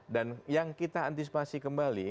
dan yang kita antisipasi kembali